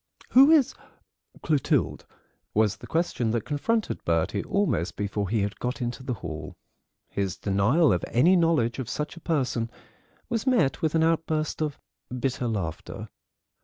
"Who is Clotilde?" was the question that confronted Bertie almost before he had got into the hall. His denial of any knowledge of such a person was met with an outburst of bitter laughter.